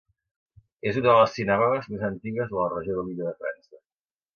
És una de les sinagogues més antigues de la regió de l'illa de França.